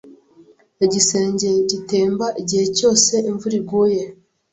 Igisenge gitemba igihe cyose imvura iguye.